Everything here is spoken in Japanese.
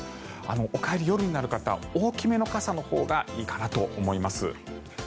お帰り、夜になる方大きめの傘のほうがいいかなと思います。